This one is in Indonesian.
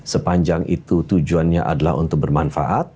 sepanjang itu tujuannya adalah untuk bermanfaat